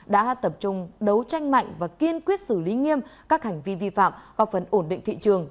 đã tập trung đấu tranh mạnh và kiên quyết xử lý nghiêm các hành vi vi phạm góp phần ổn định thị trường